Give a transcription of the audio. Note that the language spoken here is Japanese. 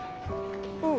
うん。